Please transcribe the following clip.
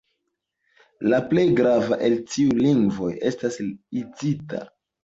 La plej grava el tiuj lingvoj estas la hitita.